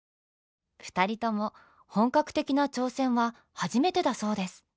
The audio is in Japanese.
２人とも本格的な挑戦は初めてだそうです。